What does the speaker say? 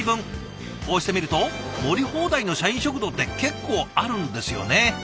こうして見ると盛り放題の社員食堂って結構あるんですよね。